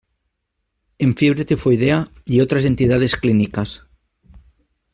En fiebre tifoidea y otras entidades clínicas.